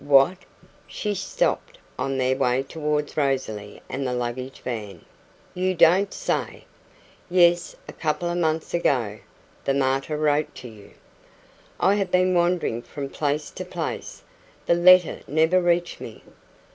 "What!" She stopped on their way towards Rosalie and the luggage van. "You don't say " "Yes a couple of months ago. The mater wrote to you." "I have been wandering from place to place the letter never reached me."